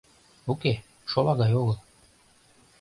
Уке, шолагай огыл.